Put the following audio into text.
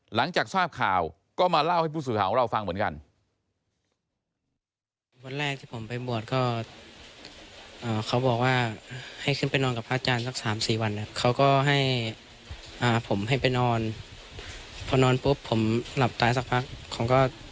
หลังจากทราบข่าวก็มาเล่าให้ผู้สื่อข่าวของเราฟังเหมือนกัน